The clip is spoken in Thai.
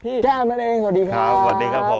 พี่แก้มนั่นเองสวัสดีครับสวัสดีครับสวัสดีครับ